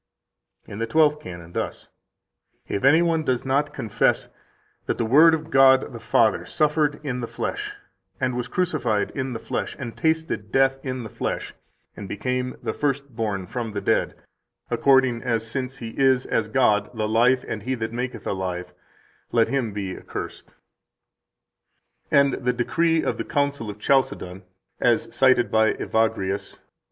7 In the twelfth canon, thus: "If any one does not confess that the Word of God [the Father] suffered in the flesh, and was crucified in the flesh, and tasted death in the flesh, and became the First born from the dead, according as [since] He is, as God, the Life and He that maketh alive, let him be accursed." 8 And the decree of the Council of Chalcedon, as cited by Evagrius, lib.